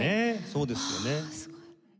そうですよね。